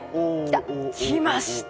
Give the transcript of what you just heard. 来ました。